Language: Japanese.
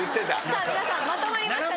皆さんまとまりましたか？